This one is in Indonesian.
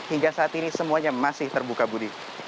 hingga saat ini semuanya masih terbuka budi